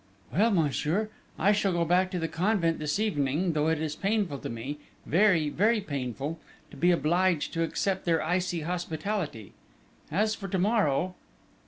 "Well, monsieur, I shall go back to the convent this evening, though it is painful to me very, very painful to be obliged to accept their icy hospitality ... as for to morrow!"